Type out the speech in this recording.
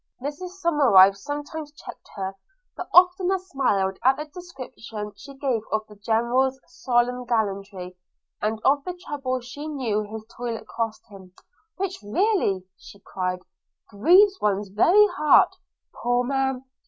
Mrs Somerive sometimes checked her; but oftener smiled at the description she gave of the General's solemn gallantry, and of the trouble she knew his toilet cost him; 'which really,' cried she, 'grieves one's very heart. Poor man!